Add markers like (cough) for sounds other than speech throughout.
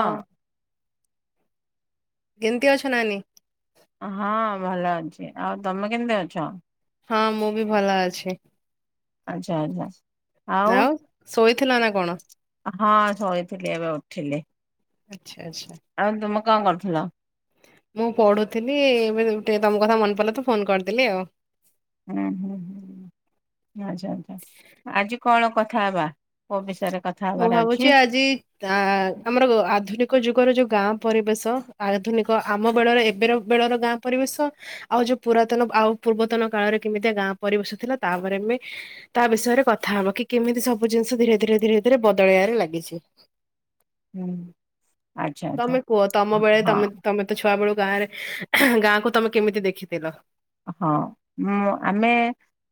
ହଁ କେମିତି ଅଛ ନାନୀ? ହଁ ଭଲ ଅଛି ଆଉ ତମେ କେମିତି ଅଛ? ହଁ ମୁଁ ବି ଭଲ ଅଛି। ଆଚ୍ଛା ଆଚ୍ଛା ଆଉ ଶୋଇଥିଲ ନା କଣ? ହଁ ଶୋଇଥିଲି ଏବେ ଉଠିଲି। ଆଚ୍ଛା ଆଚ୍ଛା। ଆଉ ତୁମେ କଣ କରୁଥିଲ? ମୁଁ ପଢ଼ଥିଲି ମେନ୍ ଗୁଟେ ତମ କଥା ମନେପଡ଼ିଲା ତ ଫୋନ କରିଦେଲିି ଆଉ। ହୁଁ ହୁଁ ହୁଁ ଆଚ୍ଛା ଆଛା ଆଜି କଣ କଥା ହେବା କୋଉ ବିଷୟରେ କ ମୁଁ ଭାବୁଛି ଆଜି ତା ଆମର ଆଧୁନିକ ଯୁଗର ଯୋଉ ଗାଁ ପରିବେଶ ଆଧୁନିକ ଆମ ବେଳରେ ଏବେର ବେଳର ଗାଁ ପରିବେଶ ଆଉ ଯୋଉ ପୁରାତନ ଆଉ ପୂର୍ବତନ କାଳରେ କେମିତି ଗାଁ ପରିବେଶ ଥିଲା ତାପରେ ମି ତା ବିଷୟରେ କଥା ହବା କି କେମିତି ସବୁ ଜିନିଷ ଧୀରେ ଧୀରେ ଧୀରେ ଧୀରେ ବଦଳେଇବାରେ ଲାଗିଛି। ହୁଁ ଆଚ୍ଛା ଆଚ୍ଛା ତମେ କୁହ ତମ ବେଳେ ତମେ ହଁ ତମେ ତ ଛୁଆ ବେଳୁ ଗାଁ ରେ ଗାଁକୁ ତମେ କେମିତି ଦେଖିଥିଲ? ହଁ ମୁଁ ଆମେ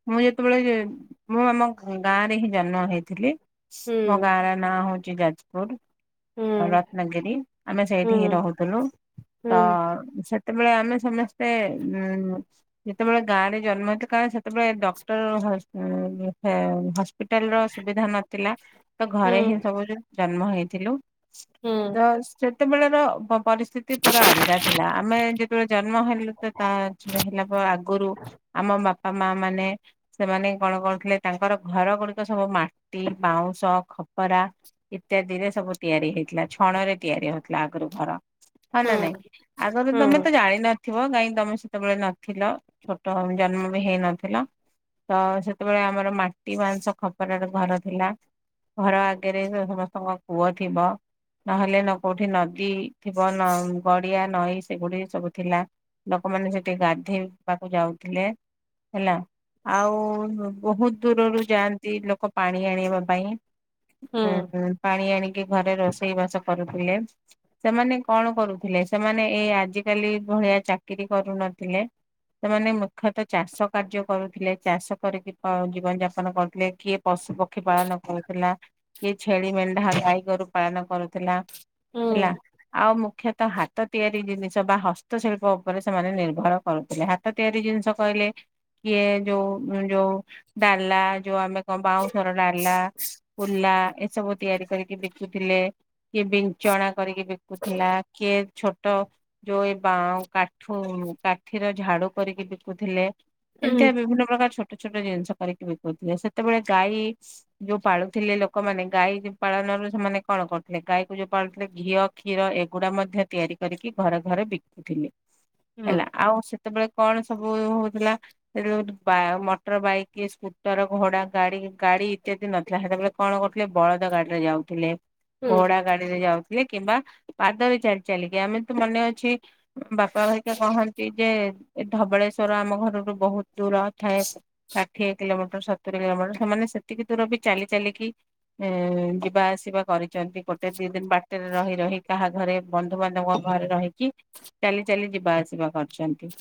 ମୁଁ ଯେତେବେଳେ ମୁଁ ଆମ ଗାଁ ରେ ହିଁ ଜନ୍ମ ହେଇଥିଲି। ମୋ ଗାଁ ର ନାଁ ହଉଛି ଯାଜପୁର। ରତ୍ନଗିରି ଆମେ ସେଇଠି ହିଁ ରହୁଥିଲୁ ତ ସେ ସେତେବେଳେ ଆମେ ସମସ୍ତେ ଉ ଯେତେବେଳେ ଗାଁ ରେ ଜନ୍ମ ହେଥିଲା କାରଣ ସେତେବେଳେ ଡକ୍ଟର ହସ୍ ହସ୍ପି ପିଟାଲ ର ସୁବିଧା ନଥିଲା ତ ଘରେ ହିଁ ସବୁ ଜନ୍ମ ହେଇଥିଲୁ। ହୁଁ ସେତେବେଳେ ର ପ ପରିସ୍ଥିତି ପୁରା ଅଲଗା ଥିଲା ଆମେ ଯେତେବେଳେ ଜନ୍ମ ହେଲୁ ତ ତା ହେଲା ପରେ ଆଗରୁ ଆମ ବାପା ମା ମାନେ ସେମାନେ କଣ କରୁଥିଲେ ତାଙ୍କର ଘର ଗୁଡିକ ସବୁ ମାଟି, ବାଉଁଶ, ଖପରା ଇତ୍ୟାଦିରେ ସବୁ ତିଆରି ହେଇଥିଲା ଛଣରେ ତିଆରି ହଉଥିଲା ଆଗରୁ ଘର। ହଁ ନା ନାଇଁ ଆଗରୁ ତମେ ତ ଜାଣିନଥିବ କାହିଁକି ତମେ ସ ତମେ ନଥିଲ ଛୋଟ ଜନ୍ମ ବି ହେଇ ନଥିଲ। ତ ସେତେବେଳେ ଆମର ମାଟି ବାଂଶ ଖପରାର ଘର ଥିଲା। ଘର ଆଗରେ ସମସ୍ତଙ୍କ କୁଅ ଥିବ। ନହେଲେ ନ କୋଉଠି ନଦୀ ଥିବ ନ ଗଡିଆ ନଈ ସେଗୁଡିକ ସବୁ ଥିଲା। ଲୋକମାନେ ସେଠି ଗାଧେଇବାକୁ ଯାଉଥିଲେ। ହେଲା ଆଉ ବହୁତ ଦୂରରୁ ଯାଆନ୍ତି ଲୋକ ପାଣି ଆଣିବା ପାଇଁ। ହୁଁ ହୁଁ ପାଣି ଆଣିକି ଘରେ ରୋଷେଇ ବାସ କରୁଥିଲେ। ସେମାନେ କଣ କରୁଥିଲେ ସେମାନେ ଏଇ ଆଜିକାଲି ଭଳିଆ ଚାକିରି କରୁନଥିଲେ। ସେମାନେ ମୁଖ୍ୟତଃ ଚାଷ କାର୍ଯ୍ୟ କରୁଥିଲେ, ଚାଷ କରିକି ଜୀବନ ଯାପନ କରୁଥିଲେ କିଏ ପଶୁ ପକ୍ଷୀ ପାଳନ କରୁଥିଲା କିଏ ଛେଳି ମେଣ୍ଢା ଗାଈ ଗୋରୁ ପାଳନ କରୁଥିଲା। ହେଲା ଆଉ ମୁଖ୍ୟତଃ ହାତ ତିଆରି ଜିନିଷ ବା ହସ୍ତଶିଳ୍ପ ଉପରେ ସେମାନେ ନିର୍ଭ ନିର୍ଭର କରୁଥିଲେ ହାତ ତିଆରି ଜିନିଷ କହିଲେ କିଏ ଯୋଉ ଯୋଉ ଡାଲା ଯୋଉ ଆମେ କଣ ବାଉଁଶର ଡାଲା। କୁଲା ଏସବୁ ତିଆରି କରିକି ବିକୁୁଥିଲେ। କିଏ ବିଞ୍ଚଣା କରିକି ବିକୁଥିଲା କିଏ ଛୋଟ ଯୋଉ ଏ ବାଉଁ କାଠୁ କାଠିର ଝାଡୁ କରିକି ବିକୁଥିଲେ, ଏମିତିଆ ବିଭିନ୍ନ ପ୍ରକାର ଛୋ ଛୋଟ ଛୋଟ ଜିନିଷ କରିକି ବିକୁଥିଲେ, ସେତେବେଳେ ଗାଈ ଯୋଉ ପାଳୁଥିଲେ ଲୋକମାନେ ଗାଈ ପାଳନରୁ ସେମାନେ କଣ କରୁଥିଲେ ଗାଈକୁ ଯୋଉ ପାଳୁଥିଲେ ଘିଅ କ୍ଷୀର ଏଗୁଡା ମଧ୍ୟ ତିଆରି କରିକି ଘରେ ଘରେ ବିକୁଥିଲି। ହେଲା ଆଉ ସେତେବେଳେ କଣ ସବୁ ହଉଥିଲା? ସେ ମଟର ବାଇକ ସ୍କୁଟର ଘୋଡା ଗାଡି ଗାଡି ଇତ୍ୟାଦି ନଥିଲା ସେତେବେଳେ କଣ କରୁଥିଲେ ବଳଦ ଗାଡିରେ ଯାଉଥିଲେ ଘୋଡା ଗାଡିରେ ଯାଉଥିଲେ କିମ୍ବା ପାଦରେ ଚାଲି ଚାଲିକି ଆମେ ତୁ ମନେ ଅଛି ବାପା ଭାଇ ଲୋକ କହନ୍ତି ଯେ ଧବଳେଶ୍ଵର ଆମ ଘରରୁ ବହୁତ ଦୂରଥାଏ। ଷାଠିଏ କିଲୋମିଟର ସତୁରି କିଲୋମିଟର ସେମାନେ ସେତିକି ଦୂର ବି ଚାଲି ଚାଲିକି ଏଁ ଯିବା ଆସିବା କରିଛନ୍ତି ଗୋଟେ ଦି ଦିନ ବାଟରେ ରହି ରହି କାହା ଘରେ ବନ୍ଧୁବାନ୍ଧବଙ୍କ ଘରେ ରହିକି ଚାଲି ଚାଲି ଯିବା ଆସିବା କରିଛନ୍ତି।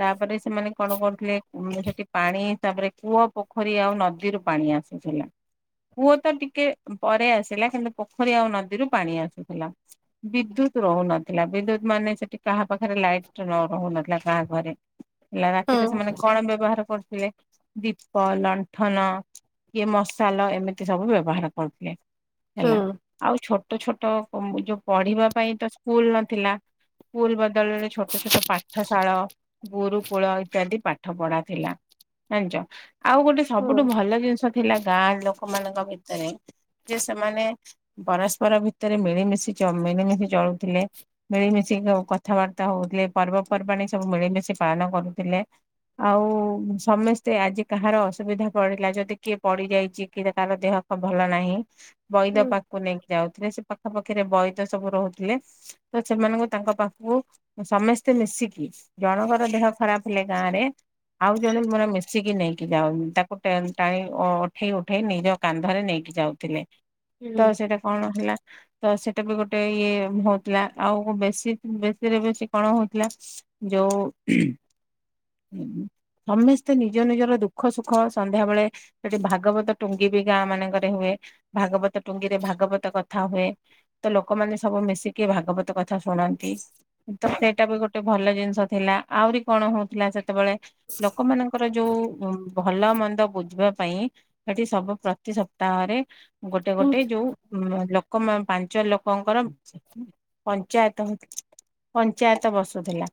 ତାପରେ ସେମାନେ କଣ କରୁଥିଲେ ଉ ସେଠି ପାଣି ତାପରେ କୂଅ ପୋଖରୀ ଆଉ ନଦୀରୁ ପାଣି ଆସ (inaudible) କୁଅ ତ ଟିକେ ପରେ ଆସିଲା କିନ୍ତୁ ପୋଖରୀ ଆଉ ନଦୀରୁ ପାଣି ଆସୁଥିଲା। ବିଦ୍ୟୁତ ରହୁନଥିଲା ବିଦ୍ୟୁତ ମାନେ ସେଠି କାହା ପାଖରେ ଲାଇଟ ନ ରହୁନଥିଲା ଗାଁ ଘରେ ହେଲା ରାତିରେ ସେମାନେ କଣ ବ୍ୟବହାର କରୁଥିଲେ? ଦୀପ, ଲଣ୍ଠନ, ଇଏ ମସାଲ, ଏମିତି ସବୁ ବ୍ୟବହାର କରୁଥିଲେ। ହେଲା ଆଉ ଛୋଟ ଛୋଟ ତ ଯୋଉ ପଢିବା ପାଇଁ ତ ସ୍କୁଲ ନଥିଲା ସ୍କୁଲ ବ ବିଦ୍ୟାଳୟରେ ଛୋଟ ଛୋଟ ପାଠଶାଳ ଗୁରୁକୂଳ ଇତ୍ୟାଦି ପାଠ ପଢା ଥିଲା। ଜାଣିଛ ଆଉ ଗୋଟେ ସବୁଠୁ ଭଲ ଜିନିଷ ଥିଲା ଗାଁ ଲୋକ ମାନଙ୍କ ଭିତରେ ଯେ ସେମାନେ ପରସ୍ପର ଭିତରେ ମିଳିମିଶି ମିଳିମିଶି ଚଳୁଥିଲେ ମିଳିମିଶି କଥାବାର୍ତ୍ତା ହଉଥିଲେ ପର୍ବପର୍ବାଣି ସବୁ ମିଳିମିଶି ପାଳନ କରୁଥିଲେ। ଆଉ ସମସ୍ତେ ଆଜି କାହାର ଅସୁବିଧା ପଡିଲା ଯଦି କିଏ ପଡିଯାଇଛି କି କାର ଦେହ ଭଲ ନାହିଁ। ବୈଦ ପାଖକୁ ନେଇକି ଯାଉଥିଲେ ସେ ପାଖାପାଖିରେ ବୈଦ ସବୁ ରହୁଥିଲେ ତ ସେମାନଙ୍କୁ ତାଙ୍କ ପାଖ ସମସ୍ତେ ମିଶିକି ଜଣଙ୍କର ଦେହ ଖରାପ ହେଲେ ଗାଁରେ ଆଉ ଜଣେ ମର ମିଶିକି ନେଇକି ଯାଉନି ତାକୁ ଟାଣି ଉଠେଇ ଉଠେଇ ନିଜ କାନ୍ଧରେ ନେଇକି ଯାଉ ଥିଲେ। ତ ସେଇଟା କଣ ହେଲା ତ ସେଇଟା ବି ଗୋଟେ ଇଏ ହଉଥିଲା ଆଉ ବେଶୀ ବେଶୀରେ ବେଶୀ କଣ ହଉଥିଲା ଯୋଉ ସମସ୍ତେ ନିଜ ନିଜର ଦୁଃଖ ସୁଖ ସନ୍ଧ୍ୟାବେଳେ ସେଠି ଭାଗବତ ଟୁଙ୍ଗି ବି ଗାଁ ମାନଙ୍କରେ ହୁଏ, ଭାଗବତ ଟୁଙ୍ଗିରେ ଭାଗବତ କଥା ହୁଏ। ତ ଲୋକମାନେ ସବୁ ମିଶିକି ଭାଗବତ କଥା ଶୁଣ ନ୍ତି ତ ସେଇଟା ବି ଗୋଟେ ଭଲ ଜିନିଷ ଥିଲା, ଆହୁରି କଣ ହଉଥିଲା ସେତେବେଳେ ଲୋକମାନ ଙ୍କର ଯୋଉ ଭଲ ମନ୍ଦ ବୁଝିବା ପାଇଁ ସେଠି ସବୁ ପ୍ରତି ସପ୍ତାହରେ ଗୋଟେ ଗୋଟେ ଯୋଉ ଲୋକ ପାଞ୍ଚ ଲୋକଙ୍କର ପଞ୍ଚାୟତ ପଞ୍ଚାୟତ ବସୁଥିଲା,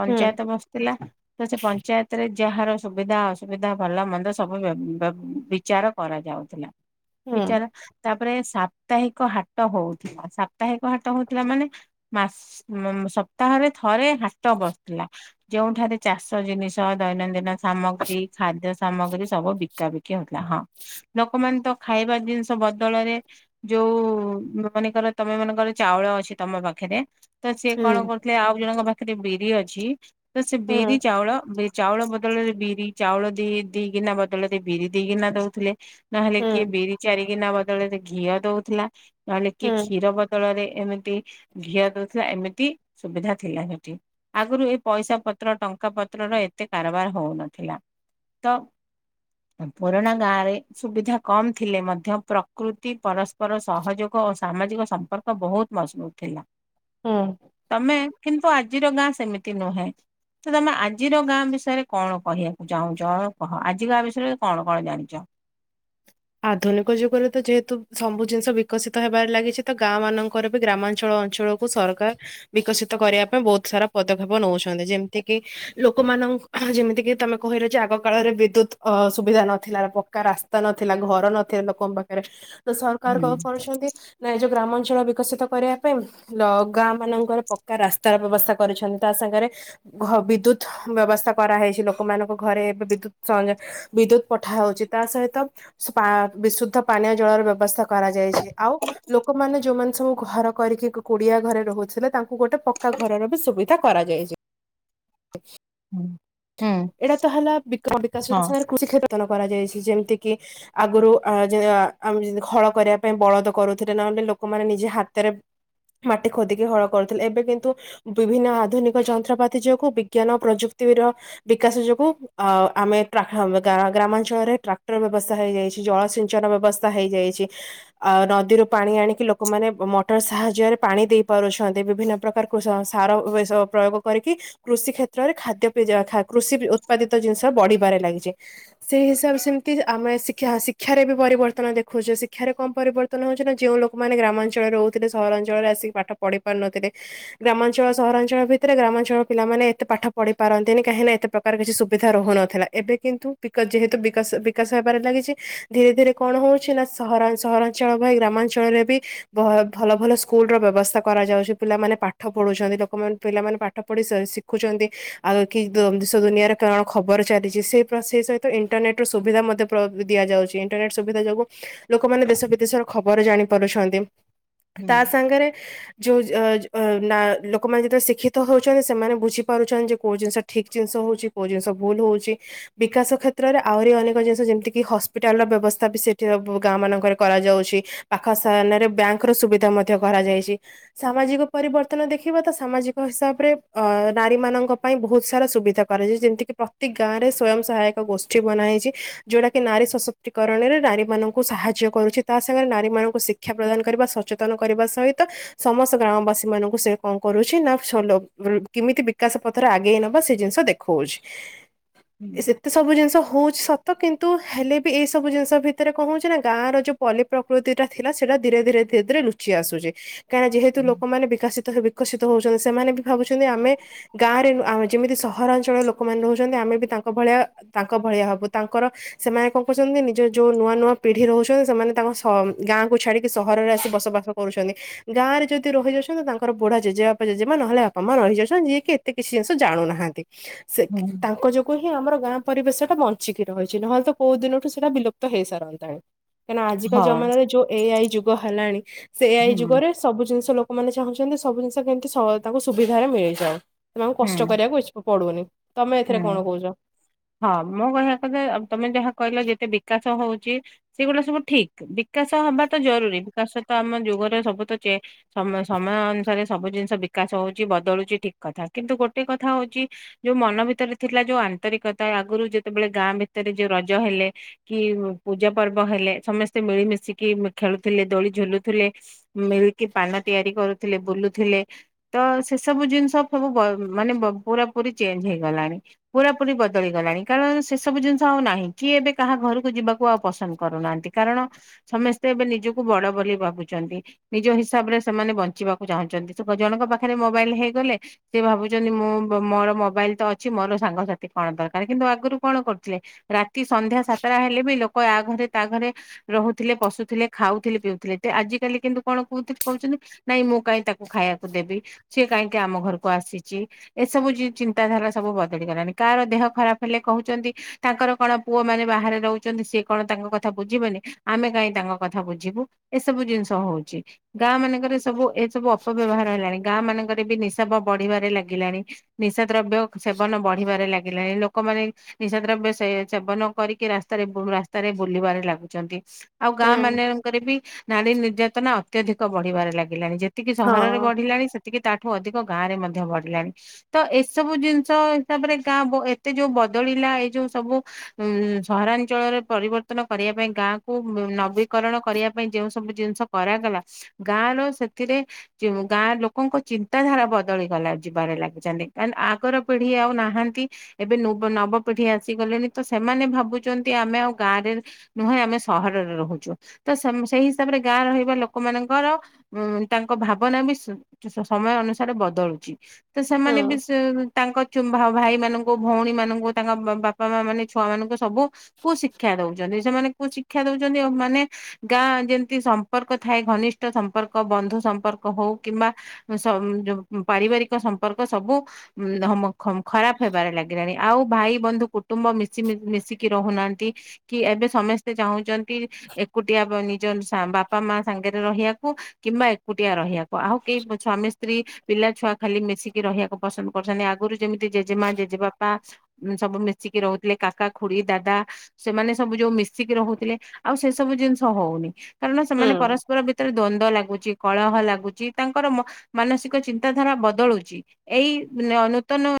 ପଞ୍ଚାୟତ ବସ୍ଥିଲା। ତ ସେ ପଞ୍ଚାୟତରେ ଯାହାର ସୁବିଧା ଅସୁବିଧା ଭଲ ମନ୍ଦ ସବୁ ବ୍ୟ ବ୍ୟ ବି ବିଚାର କରାଯାଉଥିଲା, ବିଚାର ତାପରେ ସାପ୍ତାହିକ ହାଟ ହଉଥିଲା, ସାପ୍ତାହିକ ହାଟ ହଉଥିଲା ମାନେ ମାସ୍ ଉ ସପ୍ତାହରେ ଥରେ ହାଟ ବସ୍ଥିଲା। ଯେଉଁଠାରେ ଚାଷ ଜିନିଷ, ଦୈନନ୍ଦିନ ସାମଗ୍ରୀ, ଖାଦ୍ୟ ସାମଗ୍ରୀ, ସବୁ ବି ବିକା ବିକି ହେଉଥିଲା ହଁ, ଲୋକମାନେ ତ ଖାଇବା ଜିନିଷ ବଦଳରେ ଯୋଉ ମନେକର ତମେ ମାନେଙ୍କର ଚାଉଳ ଅଛି ତମ ପାଖେରେ। ତ ସିଏ କଣ କରୁଥିଲେ ଆଉ ଜଣଙ୍କ ପାଖରେ ବିରି ଅଛି। ତ ସେ ବିରି ଚାଉଳ, ବିର୍ ଚାଉଳ ବଦଳ ରେ ବିରି। ଚାଉଳ ଦି ଦି ଗିନା ବଦଳ ଦେଇ ବିରି ଦି ଗିନା ଦଉଥିଲେ। ନହେଲେ କିଏ ବିରି ଚାରିିଗିନା ବଦଳରେ ସେ ଘିଅ ଦଉଥିଲା। ନହେଲେ କିଏ କ୍ଷୀର ବଦଳରେ ଏମିତି ଘିଅ ଦଉଥିଲା, ଏମିତି ସୁବିଧା ଥିଲା ହେଠି। ଆଗରୁ ଏ ପଇସା ପତ୍ର ଟଙ୍କା ପତ୍ରର ଏତେ କାରବାର ହଉନଥିଲା ତ। ପୁରୁଣା ଗାଁ ରେ ସୁବିଧା କମ୍ ଥିଲେ ମଧ୍ୟ ପ୍ରକୃତି ପରସ୍ ପର ସହଯୋଗ ଓ ସାମାଜିକ ସମ୍ପର୍କ ବୋହୁତ୍ ମଜ୍ବୁତ୍ ଥିଲା। ହୁଁ। ତମେ କିନ୍ତୁ ଆଜିର ଗାଁ ସେମିତି ନୁହେଁ। ତ ତମେ ଆଜିର ଗାଁ ବିଷୟରେ କଣ କହିବାକୁ ଚାହୁଁଛ କହ ଆଜି କା ବିଷୟରେ କଣ କଣ ଜାଣିଛ। ଆଧୁନିକ ଯୁଗରେ ତ ଯେହେତୁ ସବୁ ଜିନିଷ ବିକଶିତ ହେବାରେ ଲାଗିଛି ତ ଗାଁ ମାନଙ୍କର ବି ଗ୍ରାମାଞ୍ଚଳ ଅଞ୍ଚଳ ବୁ ସରକାର୍ ବିକଶିତ କରିବା ପାଇଁ ବହୁତ ସାରା ପଦକ୍ଷେପ ନଉଛନ୍ତି ଯେମ୍ତି କିି ଲୋକମାନଙ୍କ ଯେମିତି ତମେ କହିଲ ଯେ ଆଗ କାଳରେ ବିଦ୍ୟୁତ ଅ ସୁବିଧା ନଥିଲା ପକ୍କା ରାସ୍ତା ନ ଥିଲା ଘର ନଥିଲା ଲୋକଙ୍କ ପାଖରେ ତ ସରକାର ହୁଁ କଣ କରୁଛନ୍ତି। ନା ଏ ଯେଉଁ ଗ୍ରାମାଞ୍ଚଳ ବିକଶିତ କରିବା ପାଇଁ ଲ ଗାଁ ମାନଙ୍କର ପକ୍କା ରାସ୍ତାର ବ୍ୟବସ୍ଥା କରିଛନ୍ତି, ତା ସାଙ୍ଗେରେ ଘ ବିଦ୍ୟୁତ୍ ବ୍ୟବସ୍ଥା କରାହେଇଛି ଲୋକମାନଙ୍କ ଘରେ ଏବେ ବିଦ୍ୟୁତ ସଂଯ ବିଦ୍ୟୁତ ପଠା ହଉଚି ତା ସହିତ ସ୍ପା ବିଶୁଦ୍ଧ ପାନୀୟ ଜଳର ବ୍ୟବସ୍ଥା କରାଯାଇଛି ଆଉ। ଲୋକମାନେ ଯୋଉମାନେ ସବୁ ଘର କରିକି କୁଡିଆ ଘରେ ରହୁଥିଲେ, ତାଙ୍କୁ ଗୋଟେ ପକ୍କା ଘରର ବି ସୁବିଧା କରାଯାଇଚି। (inaudible) ହୁଁ। ହୁଁ ଏଇଟା ତ ହେଲା ବିକ ବିକାଶ ହଁ ସାଙ୍ଗରେ କୃଷି କ୍ଷେତ୍ତନ କରାଯାଇଛି ଯେମ୍ତି କିି ଆଗରୁ ଆ ଯେ ଖଳ କରିବା ପାଇଁ ବଳଦ କରୁଥିଲେ ନହେଲେ ଲୋକମାନେ ନିଜେ ହାତରେ ମାଟି ଖୋଦିକି ହଳ କରୁଥିଲେ, ଏବେ କିନ୍ତୁ ବିଭିନ୍ନ ଆଧୁନିକ ଯନ୍ତ୍ରପାତି ଯୋଗୁ, ବିଜ୍ଞାନ ପ୍ରଯୁକ୍ତିର ବିକାଶ ଯୋଗୁ। ଅ ଆମେ ଟ୍ରା ଗ୍ରାମାଞ୍ଚଳରେ ଟ୍ରାକ୍ଟର ବ୍ୟବସ୍ଥା ହେଇଯାଇଚି, ଜଳ ସିଞ୍ଚନ ବ୍ୟବସ୍ଥା ହେଇଯାଇଚି। ଆଉ ନଦୀରୁ ପାଣି ଆଣିକି ଲୋକମାନେ ମଟର୍ ସାହାଯ୍ୟରେ ପାଣି ଦେଇପାରୁଛୁ। ନ୍ତି ବିଭିନ୍ନ ପ୍ରକାର ସାର ବି ସ ପ୍ରୟୋଗ କରିକି କୃଷି କ୍ଷେତ୍ରରେ ଖାଦ୍ୟ (unintelligible) କୃଷି ଉତ୍ପାଦିତ ଜିନିଷ ବଢିବାରେ ଲାଗିଚି। ସେଇ ହିସାବରେ ସେମ୍ତି ଆମେ ଶିକ୍ ଶିକ୍ଷାରେ ବି ପରିବର୍ତ୍ତନ ଦେଖୁଛୁ। ଶିକ୍ଷାରେ କଣ ପରିବର୍ତ୍ତନ ହଉଛି ନା ଯୋଉ ଲୋକମାନେ ଗ୍ରାମାଞ୍ଚଳରେ ରହୁଥିଲେ ସହରାଞ୍ଚଳରେ ରହିକି ପାଠ ପଢି ପାରୁନଥିଲେ। ଗ୍ରାମାଞ୍ଚଳ ସହରାଞ୍ଚଳ ଭିତରେ ଗ୍ରାମାଞ୍ଚଳର ପିଲାମାନେ ଏତେ ପାଠ ପଢି ପାରନ୍ତିନି କାହିଁକିନା ଏତେ ପ୍ରକାର କିଛି ସୁବିଧା ରହୁନଥିଲା ଏବେ କିନ୍ତୁ ପିକ ଯେହେତୁ ବିକା ବିକାଶ ହେବାର ଲାଗଚି। ଧୀରେ ଧୀରେ କଣ ହୋଉଛି ନା ସହରା ସହରାଞ୍ଚଳ ପାଇଁ ଗ୍ରାମାଞ୍ଚଳରେ ବି ଭ ଭଲ ଭଲ ସ୍କୁଲ୍ ର ବ୍ୟବସ୍ଥା କରାଯାଉଛି ପିଲାମାନେ ପାଠ ପଢୁଛନ୍ତି ଲୋକମାନେ ପିଲାମାନେ ପାଠ ପଢି ସା ସି ରଖୁଚନ୍ତି। ଆଉ କି ଦେଶ ଦୁନିଆରେ କଣ ଖବର ଚାଲିଛି ସେ ସେ ସହିତ ଇଣ୍ଟର୍ନେଟ୍ ର ସୁବିଧା ମଧ୍ୟ ପ୍ରପ୍ ଦିଆଯାଉଛି ଇଣ୍ଟରନେଟ ସୁବିଧା ଯୋଗୁ ଲୋକମାନେ ଦେଶ ବିଦେଶର ଖବର ଜାଣି ପାରୁଛନ୍ତି। ହୁଁ ତା ସାଙ୍ଗରେ ଯୋଉ ଯା ହଁ ନା ଲୋକମାନେ ଯେତେବେଳେ ଶିକ୍ଷିତ ହଉଚନ୍ତି ସେମାନେ ବୁଝିପାରୁଚନ୍ତି। କୋଉ ଜିନିଷ ଠିକ ଜିନିଷ ହଉଚି କୋଉ ଜିନିଷ ଭୁଲ ହଉଚି। ବିକାଶ କ୍ଷେତ୍ରରେ ଆହୁରି ଅନେକ ଜିନିଷ ଯେମିତିକି ହସ୍ପିଟାଲର ବ୍ୟବସ୍ଥା ବି ସେଠି ଗାଁ ମାନଙ୍କରେ କରାଯାଉଅଛି। ପାଖ ସାୟନରେ ବ୍ୟାଙ୍କ ର ସୁବିଧା ମଧ୍ୟ କରାଯାଇଛି। ସାମାଜିକ ପରିବର୍ତ୍ତନ ଦେଖିବା ତ ସାମାଜିକ ହିସାବରେ ଅ ନାରୀ ମାନଙ୍କ ପାଇଁ ବହୁତ ସାରା ସୁବିଧା କରାଯାଇଚି ଯେମିତି କି ପ୍ରତି ଗାଁ ରେ ସ୍ଵୟଂ ସହାୟକ ଗୋଷ୍ଠୀ ବନାହେଇଚି ଯୋଉଟା କି ନାରୀ ସଶ ଚକରଣରେ ନାରୀମାନଙ୍କୁ ସାହାଯ୍ୟ କରୁଛି ତା ସାଙ୍ଗରେ ନାରୀମାନଙ୍କୁ ଶିକ୍ଷା ପ୍ରଦାନ କରିବା ସଚେତନ କରିବା ସହିତ ସମସ୍ତ ଗ୍ରାମ ବାସୀ ମାନଙ୍କୁ ସେ କଣ କରୁଛି ନା କେମିତି ବିକାଶ ପଥରେ ଆଗେଇ ନବା ସେ ଜିନିଷ ଦେଖଉଚି। ହୁଁ ତ ସବୁ ଜିନିଷ ହଉଛି ସତ କିନ୍ତୁ ହେଲେ ବି ଏଇସବୁ ଜିନିଷ ଭିତରେ ଙ୍କ ହୋଉଚି ନା ଗାଁର ଯୋ ପଲି ପ୍ରକୃତି ଟା ଥିଲା ସେଇଟା ଧୀରେ ଧୀରେ ଧୀରେ ଧୀରେ ଲୁଚି ଆସୁଛି। କାହିଁନା ଯେହେତୁ ଲୋକମାନେ ବିକାଶିତ ବିକଶିତ ହଉଚନ୍ତି ସେମାନେ ବି ଭାବୁଚନ୍ତି ଆମେ ଗାଁରେ ଆମ ଯେମିତି ସହରାଞ୍ଚଳର ଲୋକମାନେ ରହୁଚନ୍ତି ଆମେ ବି ତାଙ୍କ ଭଳିଆ ତାଙ୍କ ଭଳିଆ ହେବୁ ତାଙ୍କର ସେମାନେ କଣ କରୁଚନ୍ତି ନିଜ ଯୋଉ ନୂଆ ନୂଆ ପିଢି ରହୁଚନ୍ତି ସେମାନେ ତାଙ୍କ ଗାଁ କୁ ଛାଡିକି ସହରରେ ଆସି ବସବାସ କରୁଚନ୍ତି ଗାଁରେ ଯଦି ରହିଯାଉଚନ୍ତି ତ ତାଙ୍କର ବୁଢା ଜେଜେବାପା ଜେଜେମା ନହେଲେ ବାପା ମା ରହିଯାଉଚନ୍ତି ଯିଏକ କିଛି ଜିନିଷ ଜାଣୁନାହାନ୍ତି ସେ ହୁଁ ତାଙ୍କ ଯୋଉ ହିଁ ଆମର ଗାଁ ପରିବେଶ ଟା ବଞ୍ଚିକି ରହିଛି ନହେଲେ ତ କୋଉ ଦିନଠୁ ସେଇଟା ବିଲୁପ୍ତ ହେଇ ସାରନ୍ତାଣି। କାହିଁକିନା ଆଜିକା ହଁ ଜମମାନାରେ ଯୋଉ ଏ ଆଇ ଯୁଗ ହେଲାଣି ସେଏ ଆଇ ହୁଁ ଯୁଗରେ ସବୁ ଜିନିଷ ଲୋକମାନୋନ ଚାହୁଁଛନ୍ତି ସବୁ ଜିନିଷ କେମତି ତାଙ୍କୁ ସୁବିଧାରେ ମିଳିଯାଉ। ସେମନଙ୍କୁ କଷ୍ଟ କରିବାକୁ ଇଛ ପଡୁବନି ତମେ ଏଥିରେ ହୁଁ କଣ କହୁଚ। ହଁ ମୁଁ କହିବା କଥା ତମେ ଯାହା କହିଲ ଯେତେ ବିକାଶ ହଉଚି ସେଗୁଡା ସବୁ ଠିକ ବିକାଶ ହବା ତ ଜରୁରୀ ବିକାଶ ତ ଆମ ଯୁଗରେ ସବୁ ତ ସମ ସମୟ ଅନୁସାରେ ସବୁ ଜିନିଷ ବିକାଶ ହଉଚି ବଦଳୁଚି ଠିକ୍ କଥା କିନ୍ତୁ ଗୋଟେ କଥା ହଉଚି ଯୋଉ ମନ ଭିତରେ ଥିଲା ଯୋଉ ଆନ୍ତରିକତା ଆଗରୁ ଯେତେବେଳେ ଗାଁ ଭିତରେ ଯୋଉ ରଜ ହେଲେ କି ପୂଜା ପର୍ବ ହେଲେ ସମସ୍ତେ ମିଳିମିଶିକି ଖେଳୁଥିଲେ ଦୋଳି ଝୁଲୁଥିଲେ। ମିଳିକି ପାନ ତିଆରି କରୁଥିଲେ ବୁଲୁଥିଲେ। ତ ସେସବୁ ଜିନିଷ ସବୁ ବ ମାନେ ପୁରା ପୁରି ଚେଞ୍ଜ ହେଇଗଲାଣି ପୁରା ପୁରି ବ ବଦଳି ଗଲାଣି କାରଣ ସେ ସବୁ ଜିନିଷ ଆଉ ନାହିଁ କିଏ ଏବେ କାହା ଘରକୁ ଯିବାକୁ ଆଉ ପସନ୍ଦ କରୁନାହାନ୍ତି କାରଣ ସମସ୍ତେ ଏବେ ନିଜକୁ ବଡ ବୋଲି ଭାବୁଚନ୍ତି। ନିଜ ହିସାବ ରେ ସେମାନେ ବଞ୍ଚିବାକୁ ଚାହୁଁଛନ୍ତି ସେ ଜଣଙ୍କ ପାଖରେ ମୋବାଇଲି ହେଇଗଲେ ସେି ଭାବୁଛନ୍ତି ମୁଁ ମୋର ମୋବାଇଲି ତ ଅଛି ମୋର ସାଙ୍ଗସାଥି କଣ ଦରକାର କିନ୍ତୁ ଆଗରୁ କଣ କରୁଥିଲେ ରାତି ସନ୍ଧ୍ୟା ସାତଟା ହେଲେ ବି ଲୋକ ଆ ଘରେ ତା ଘରେ ରହୁଥିଲେ ବଶୁଥିଲେ ଖାଉଥିଲେ ପିଉଥିଲେ ତ ଆଜ କାଲି କିନ୍ତୁ କଣ କ କହୁଛନ୍ତି। ନାଇଁ ମୁଁ କାଇହିଁ ତାକୁ ଖାଇବାକୁ ଦେବି ସିଏ କାହିଁକି ଆମ ଘରକୁ ଆସିଛି ଏସବୁ ଚିନ୍ତାଧାରା ସବୁ ବଦଳିଗଲାଣି। କାହାର ଦେହ ଖରାପ ହେଲେ କହୁଚନ୍ତି ତାଙ୍କର କଣ ପୁଅ ମାନେ ବାହାରେ ରହୁଚନ୍ତି ସିଏ କଣ ତାଙ୍କ କଥା ବୁଝିବେନି ଆମେ କାହିଁ ତାଙ୍କ କଥା ବୁଝିବୁ। ଏସବୁ ଜିନିଷ ହଉଚି ଗାଁ ମାନଙ୍କରେ ସବୁ ଏସବୁ ଅପବ୍ୟବହାର ହେଲାଣି ଗାଁ ମାନଙ୍କରେ ବି ନିଶାାବ ବଢିବାରେ ଲାଗିଲାଣି ନିଶା ଦ୍ରବ୍ୟ ସେବନ ବଢିବାରେ ଲାଗିଲାଣି ଲୋକମାନେ ନିଶା ଦ୍ରବ୍ୟ ସେ ସେବନ କରିକି ରାସ୍ତାରେ ବୁ ରାସ୍ତାରେ ବୁଲିବାରେ ଲାଗୁଛନ୍ତି। ଆଉ ଗାଁ ହୁଁ ମାନଙ୍କରେ ବି ନାରୀ ନିର୍ଯାତନା ଅତ୍ୟଧିକ ବଢିବାରେ ଲାଗିଲାଣି ଯେ ସେତିକି ହଁ ସହରରେ ବଢିଲାଣି ସେତିକି ତାଠୁ ଅଧିକ ଗାଁ ରେ ମଧ୍ୟ ବଢିଲାଣି ତ ଏସବୁ ଜିନିଷ ହିସାବରେ ଗାଁ ବ ଏତେ ଯୋଉ ବଦଳିଲା ଏଇ ଯୋଉ ସବୁ ଉଁ ସହରାଞ୍ଚଳରେ ପରିବର୍ତ୍ତନ କରିବା ପାଇଁ ଗାଁକୁ ନବୀକରଣ କରିବା ପାଇଁ ଯେଉଁ ସବୁ ଜିନିଷ କରାଗଲା ଗାଁ ର ସେଥିରେ ଗାଁ ଲୋକଙ୍କ ଚିନ୍ତାଧାରା ବଦଳିଗଲା ଯିବାରେ ଲାଗିଚନ୍ତି କା ଆଗର ପିଢି ଆଉ ନାହାନ୍ତି ଏବେ ନୁବ ନବପିଢି ଆସିଗଲେଣି ତ ସେମାନେ ଭାବୁଛନ୍ତି ଆମେ ଆଉ ଗାଁରେ ନୁହେଁ ଆମେ ସହରରେ ରହୁଛୁ ତ ସେଇ ହିସାବରେ ଗାଁ ରହିବା ଲୋକ ମାନଙ୍କର ଉଁ ତାଙ୍କ ଭାବନା ବି ସ ସମୟ ଅନୁସାରେ ବଦଳୁଚି। ତ ସେମାନେ ବି ହୁଁ ସେ ତାଙ୍କ ଭାଇମାନାନଙ୍କୁ ଭଉଣୀ ମାନଙ୍କୁ ତାଙ୍କ ବାପା ମା ମାନେ ଛୁଆ ମାନଙ୍କୁ ସବୁ କୁ ଶିକ୍ଷା ଦଉଚନ୍ତି ସେମାନେ କୁ ଶିକ୍ଷା ଦଉଚନ୍ତି ଆ ମାନେ ଗାଁ ଯେମିତି ସମ୍ପର୍କ ଥାଏ ଘନିଷ୍ଠ ସମ୍ପର୍କ ବନ୍ଧୁ ସମ୍ପର୍କ ହଉ କିମ୍ବା ସ ଯୋଉ ପାରିବାରିକ ସମ୍ପର୍କ ସବୁ ଉଁ ଖରାପ ହେବାରେ ଲାଗିଲାଣି। ଆଉ ଭାଇ ବନ୍ଧୁ କୁଟୁମ୍ବ ମିଶି ମିଶିକି ରହୁ ନାହାନ୍ତି। କି ଏବେ ସମସ୍ତେ ଚାହୁଁଛନ୍ତି ଏକୁଟିଆ ନିଜ ବାପା ମା ସାଙ୍ଗରେ ରହିବାକୁ। କିମ୍ବା ଏକୁଟିଆ ରହିବାକୁ ଆଉ କେହି ସ୍ୱାମୀ ସ୍ତ୍ରୀ ପିଲା ଛୁଆ ଖାଲି ମିଶିକି ରହିବାକୁ ପସନ୍ଦ କରୁଛନ୍ତି ଆଗରୁ ଯେମିତି ଜେଜେମା, ଜେଜେବାପା ସବୁ ମିଶିକି ରହୁଥିଲେ କାକା, ଖୁଡ଼ି, ଦାଦା। ସେମାନେ ସବୁ ଯୋଉ ମିଶିକି ରହୁଥିଲେ ଆଉ ସେ ସବୁ ଜିନିଷ ହଉନି କାରଣ ସେମାନେ ହୁଁ। ପରସ୍ପର ଭି ରେ ଦ୍ଵନ୍ଦ ଲାଗୁଚି କଳହ ଲାଗୁଛି ତାଙ୍କର ମାନସିକ ଚିନ୍ତାଧାରା ବଦଳୁଚି। ଏଇ ନୂତନ